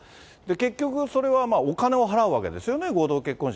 結局それはお金を払うわけですよ